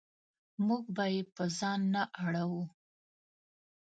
موږ به یې په ځان نه اړوو.